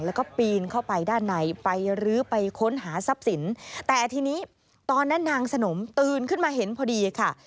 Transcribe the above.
แล้วก็ปีนเข้าไปด้านในไปรื้อไปค้นหาทรัพย์สินแต่ทีนี้ตอนนั้นนางสนมตื่นขึ้นมาเห็นพอดีค่ะ